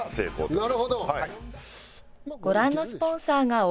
なるほど！